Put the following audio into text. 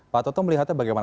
pak toto melihatnya bagaimana